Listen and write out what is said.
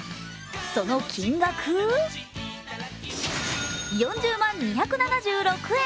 その金額、４０万２７６円！